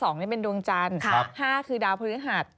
นี่เป็นดวงจันทร์๕คือดาวพฤหัส